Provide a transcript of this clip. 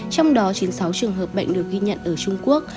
trong đó chín mươi sáu trường hợp bệnh được ghi nhận ở trung quốc